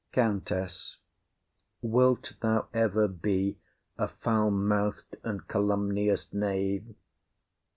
COUNTESS. Wilt thou ever be a foul mouth'd and calumnious knave?